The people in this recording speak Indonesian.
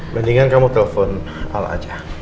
mendingan kamu telfon al aja